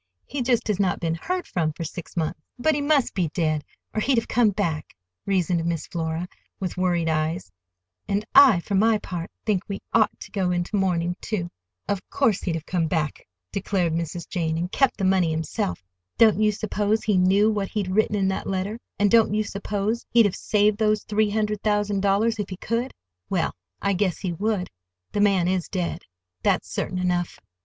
"He just has not been heard from for six months." "But he must be dead, or he'd have come back," reasoned Miss Flora, with worried eyes; "and I, for my part, think we ought to go into mourning, too." "Of course he'd have come back," declared Mrs. Jane, "and kept the money himself. Don't you suppose he knew what he'd written in that letter, and don't you suppose he'd have saved those three hundred thousand dollars if he could? Well, I guess he would! The man is dead. That's certain enough."